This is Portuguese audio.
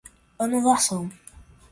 anulação